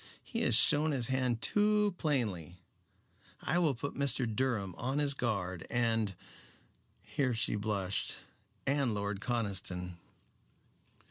He has shown his hand too plainly. I will put Mr. Durham on his guard, and" here she blushed "and Lord Conniston."